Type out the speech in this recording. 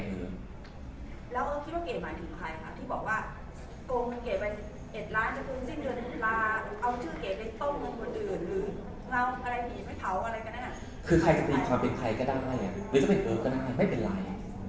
เอาล่ะเอ้อกไม่ได้ทำแบบนั้น